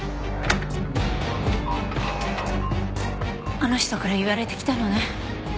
あの人から言われて来たのね。